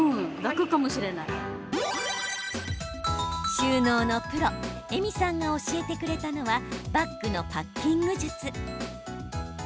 収納のプロＥｍｉさんが教えてくれたのはバッグのパッキング術。